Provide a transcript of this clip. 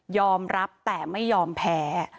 อมรับแต่ไม่ยอมแพ้